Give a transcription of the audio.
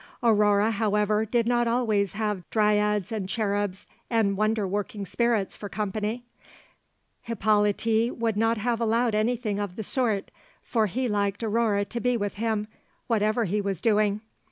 Aurore, however, did not always have dryads and cherubs and wonder working spirits for company; Hippolyte would not have allowed anything of the sort, for he liked Aurore to be with him, whatever he was doing.